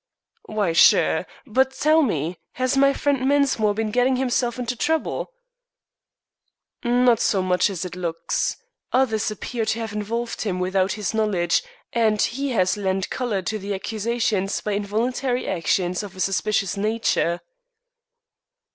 "Why, sure. But tell me. Has my friend Mensmore been getting himself into trouble?" "Not so much as it looks. Others appear to have involved him without his knowledge, and he has lent color to the accusations by involuntary actions of a suspicious nature."